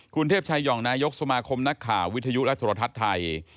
คุณเทพชายห่องนายกสมาคมนักข่าววิทยุและโทรทัศน์ไทย